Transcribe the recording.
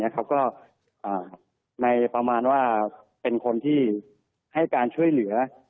ก็ในประมาณว่าเป็นคนที่ให้การช่วยเหลือ